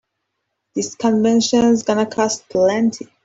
This convention's gonna cost plenty.